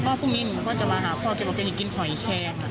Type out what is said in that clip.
ก็บอกพบนี้หนูก็จะมาหาพ่อเขียนผลกระทิตย์กินหอยแคลง